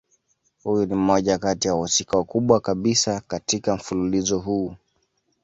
Huyu ni mmoja kati ya wahusika wakubwa kabisa katika mfululizo huu.